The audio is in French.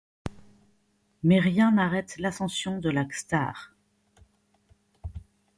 Mais rien n’arrête l’ascension de la star.